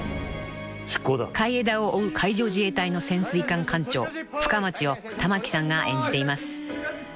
海江田を追う海上自衛隊の潜水艦艦長深町を玉木さんが演じています］